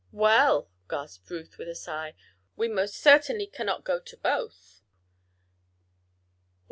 "Well!" gasped Ruth, with a sigh. "We most certainly cannot go to both.